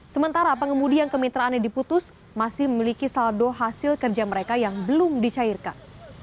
sementara pengemudi yang kemitraannya diputus masih memiliki saldo hasil kerja mereka yang belum dicairkan